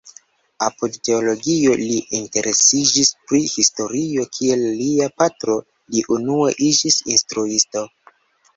Apud teologio li interesiĝis pri historio; kiel lia patro li unue iĝis instruisto.